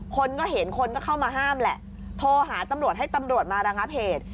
คนก็เห็นคนก็เข้ามาห้ามแหละโทรหาตำรวจให้ตำรวจมาระงับเหตุ